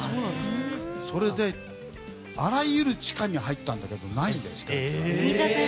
それで、あらゆる地下に入ったんだけどないんです。